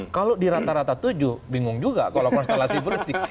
kalau di rata rata tujuh bingung juga kalau konstelasi politik